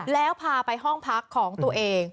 แล้วพาไปห้องพักของตัวเอง